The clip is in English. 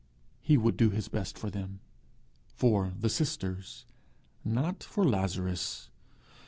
He would do his best for them for the sisters not for Lazarus!